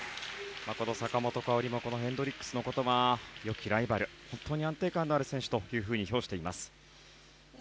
この坂本花織もこのヘンドリックスのことはよきライバル本当に安定感のある選手と評しています。